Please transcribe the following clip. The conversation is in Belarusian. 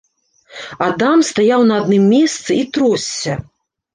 Адам стаяў на адным месцы і тросся.